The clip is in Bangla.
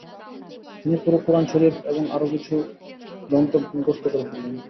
তিনি পুরো কুরআন শরীফ এবং আরো বেশকিছু গ্রন্থ মুখস্থ করে ফেলেন।